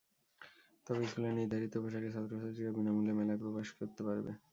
তবে স্কুলের নির্ধারিত পোশাকে ছাত্রছাত্রীরা বিনা মূল্যে মেলায় প্রবেশ করতে পারবে।